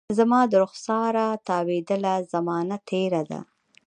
زما د رخساره تاویدله، زمانه تیره ده